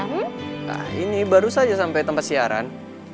nah ini baru saja sampai tempat siaran